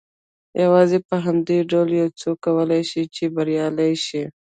يوازې په همدې ډول يو څوک کولای شي چې بريالی شي.